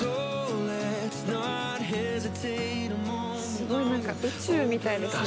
すごい何か宇宙みたいですね。